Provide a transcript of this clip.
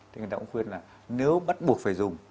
thì người ta cũng khuyên là nếu bắt buộc phải dùng